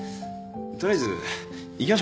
取りあえず行きましょう。